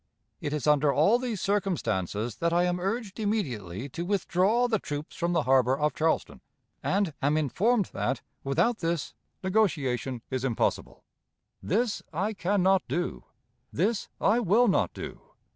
It is under all these circumstances that I am urged immediately to withdraw the troops from the harbor of Charleston, and am informed that, without this, negotiation is impossible. This I can not do; this I will not do.